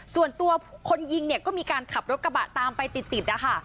ส่วนตัวคนยิงเนี่ยก็มีการขับรถกระบะตามไปติดนะคะ